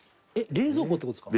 冷蔵庫って事ですか？